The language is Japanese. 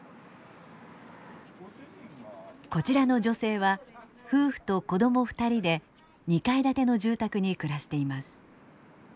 こちらの女性は夫婦と子供２人で２階建ての住宅に暮らしています。